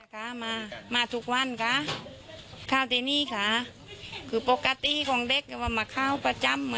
ค่ะมามาทุกวันค่ะข้าวที่นี่ค่ะคือปกติของเด็กจะว่ามาข้าวประจำอ่ะ